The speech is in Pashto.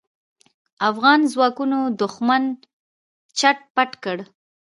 افغان ځواکونو دوښمن چټ پټ کړ.